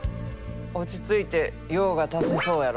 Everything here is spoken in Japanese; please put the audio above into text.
落ち着いて用が足せそうやろ？